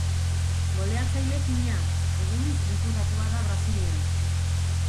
Goleatzaile fina, egun diputatua da Brasilen.